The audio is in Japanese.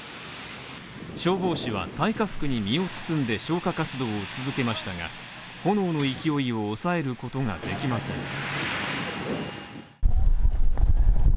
消防士は耐火服に身を包んで消火活動を続けましたが、炎の勢いを抑えることができません。